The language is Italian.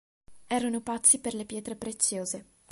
Erano pazzi per le pietre preziose.